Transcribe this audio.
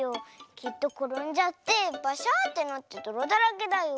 きっところんじゃってバシャーってなってどろだらけだよ。